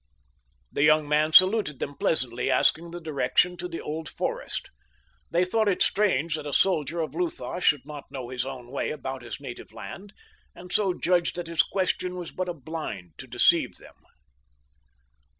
The young man saluted them pleasantly, asking the direction to the Old Forest. They thought it strange that a soldier of Lutha should not know his own way about his native land, and so judged that his question was but a blind to deceive them.